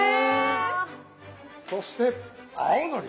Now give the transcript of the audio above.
そして青のり。